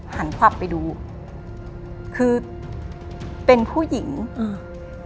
ขวับไปดูคือเป็นผู้หญิงอืม